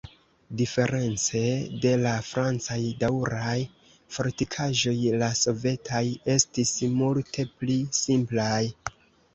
Diference de la francaj daŭraj fortikaĵoj la sovetaj estis multe pli simplaj.